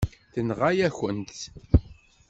Tenɣa-yakent-t.